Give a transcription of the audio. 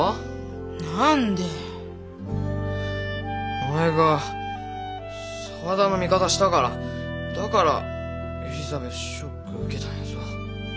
お前が沢田の味方したからだからエリザベスショックを受けたんやぞ。